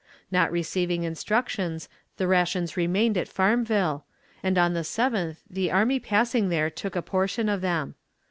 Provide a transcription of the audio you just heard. Not receiving instructions, the rations remained at Farmville, and on the 7th the army passing there took a portion of them.